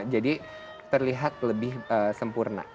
jadi terlihat lebih sempurna